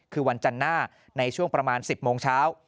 คือวันจันทร์หน้าในช่วงประมาณ๑๐โมงเช้า